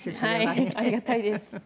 ありがたいです。